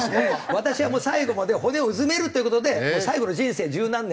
私はもう最後まで骨をうずめるという事で最後の人生十何年。